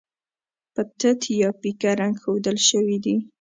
په تت یا پیکه رنګ ښودل شوي دي.